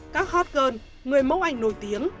các hot girl người mẫu ảnh nổi tiếng